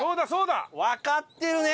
わかってるね！